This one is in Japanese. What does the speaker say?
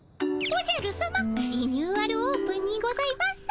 おじゃるさま「リニューアルオープン」にございます。